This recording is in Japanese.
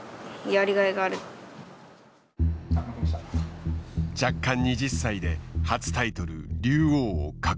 弱冠２０歳で初タイトル竜王を獲得。